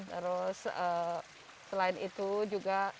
terus selain itu juga